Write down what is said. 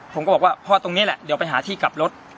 ผมก็บอกว่าพ่อตรงนี้แหละเดี๋ยวไปหาที่กลับรถ